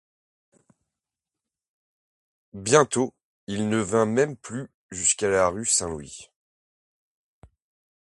Bientôt, il ne vint même plus jusqu'à la rue Saint-Louis.